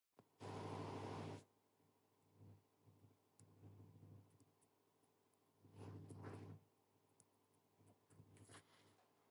لمریز ځواک د افغانستان د ټولنې لپاره یو ډېر اساسي او بنسټيز رول لري.